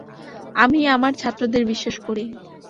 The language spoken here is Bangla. আমি আমার ছাত্রদের বিশ্বাস করি।